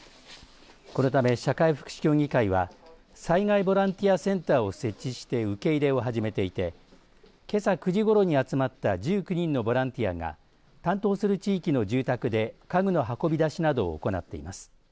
このため社会福祉協議会は災害ボランティアセンターを設置して受け入れを始めていてけさ９時ごろに集まった１９人のボランティアが担当する地域の住宅で家具の運び出しなどを行っています。